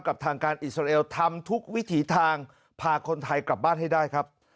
กับทางการอิสราเอลทำทุกวิถีทางพาคนไทยกลับบ้านให้ได้ครับ